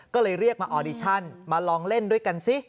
ก็เลยเรียกมาออดิชั่นมาลองเล่นด้วยกันสิ